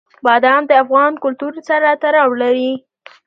بادام د افغان کلتور سره تړاو لري.